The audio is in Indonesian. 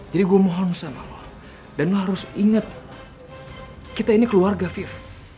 jadi gue mohon sama lo dan lo harus ingat kita ini keluarga fiv